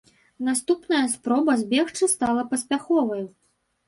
Наступная спроба збегчы стала паспяховаю.